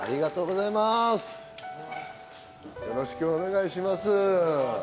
よろしくお願いします。